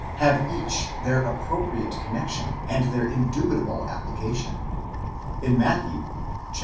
have each their appropriate connexion and their indubitable application, in Matthew (chap.